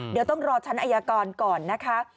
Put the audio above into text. เดี๋ยวต้องรอชั้นอายการก่อนนะคะ